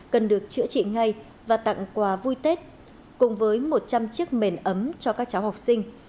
cần được chữa trị ngay và tặng quà vui tết cùng với một trăm linh chiếc mền ấm cho các cháu học sinh